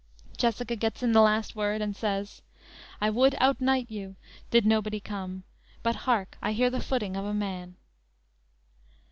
"_ Jessica gets in the last word, and says: _"I would outnight you, did nobody come; But hark, I hear the footing of a man."